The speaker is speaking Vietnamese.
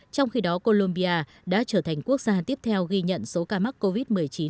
trong khi đó colombia đã trở thành quốc gia tiếp theo ghi nhận số ca mắc covid một mươi chín